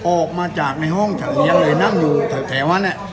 ออกมาจากในห้องเทียงเลยนั่งอยู่แถวนี่